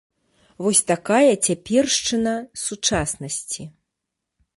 Вось такая цяпершчына сучаснасці.